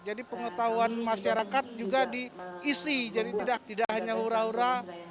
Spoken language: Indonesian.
jadi pengetahuan masyarakat juga diisi jadi tidak hanya ura ura